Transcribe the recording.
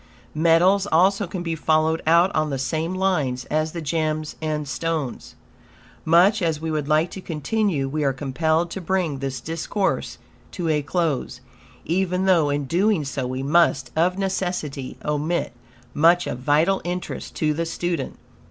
Metals also can be followed out on the same lines as the gems and stones. Much as we would like to continue, we are compelled to bring this discourse to a close, even though in doing so we must of necessity omit much of vital interest to the student.